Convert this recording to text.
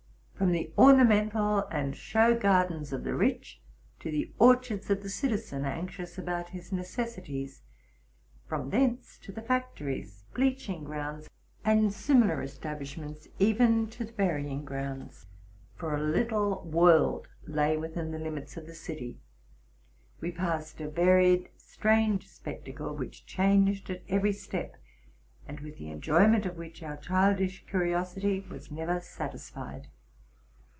From the ornamental and show gardens of the rich, to the orchards of the citizen, anxious about his necessities; from thence to the factories, bleaching grounds, and similar estab lishments, even to the burying grounds, — for a little world lay within the limits of the city,— we passed a varied, strange spec tacle, which changed at every step, and with the enjoyment of which our childish curiosity was never satisfied.